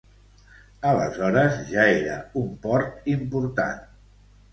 Aleshores ja era un port important.